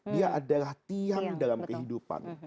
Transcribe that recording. dia adalah tiang dalam kehidupan